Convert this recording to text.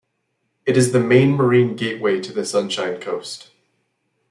It is the main marine gateway to the Sunshine Coast.